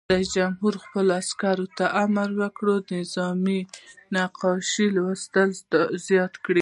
رئیس جمهور خپلو عسکرو ته امر وکړ؛ نظامي نقشې لوستل زده کړئ!